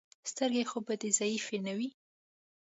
سترګې خو به دې ضعیفې نه وي.